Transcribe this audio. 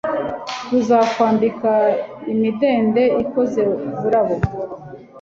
tuzakwambika imidende ikoze burabo